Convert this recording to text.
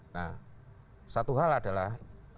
nah satu hal adalah